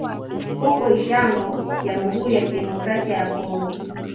Huko Ishango Jamhuri ya Kidemokrasia ya Kongo